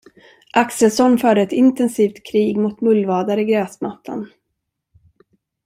Axelsson förde ett intensivt krig mot mullvadar i gräsmattan.